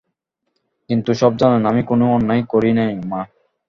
তিনি সব জানেন, আমি কোনো অন্যায় করি নাই মা।